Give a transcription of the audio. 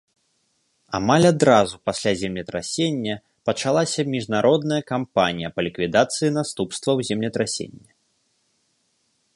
Амаль адразу пасля землетрасення пачалася міжнародная кампанія па ліквідацыі наступстваў землетрасення.